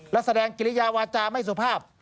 และแสดงกิริยาวาจาไม่สุภาพ